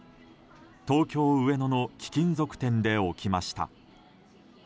東京・上野の貴金属店で起きました。